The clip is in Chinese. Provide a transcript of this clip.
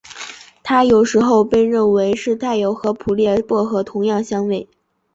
它有时候被认为是带有和普列薄荷同样香味。